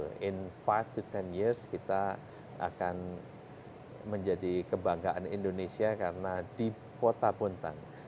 dalam lima hingga sepuluh tahun kita akan menjadi kebanggaan indonesia karena di kota buntang